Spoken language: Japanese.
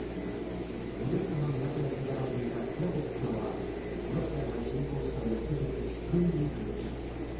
オデッサの港で働いていたクラベッツさんはロシアが侵攻した翌日、軍に復帰。